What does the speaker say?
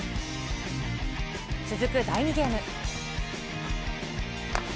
続く第２ゲーム。